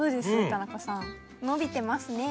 田中さんのびてますね。